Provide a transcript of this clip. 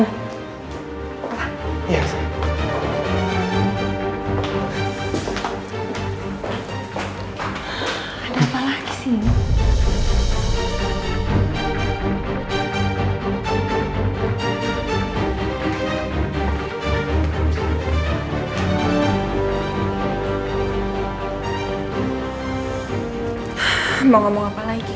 terima kasih ya